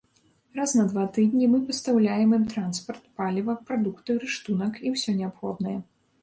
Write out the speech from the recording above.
Раз на два тыдні мы пастаўляем ім транспарт, паліва, прадукты, рыштунак і ўсё неабходнае.